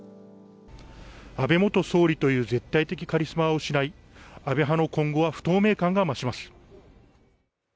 安倍元総理という絶対的カリスマを失い、安倍派の今後は不透明感が増します。